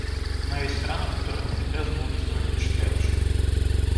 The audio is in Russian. Но есть страны, в которых прогресс был не столь впечатляющим.